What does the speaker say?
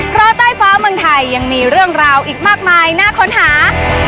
เพราะใต้ฟ้าเมืองไทยยังมีเรื่องราวอีกมากมายน่าค้นหา